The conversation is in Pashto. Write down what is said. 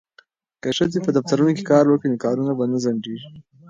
که ښځې په دفترونو کې کار وکړي نو کارونه به نه ځنډیږي.